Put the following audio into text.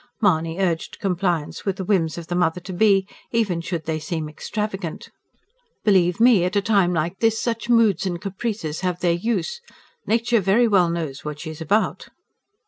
Mahony urged compliance with the whims of the mother to be, even should they seem extravagant. "Believe me, at a time like this such moods and caprices have their use. Nature very well knows what she is about."